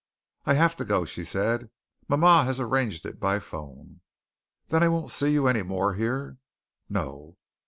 "I have to go," she said. "Mamma has arranged it by phone." "Then I won't see you any more here?" "No."